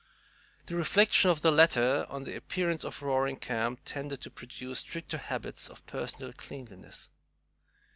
The reflections of the latter on the appearance of Roaring Camp tended to produce stricter habits of personal cleanliness.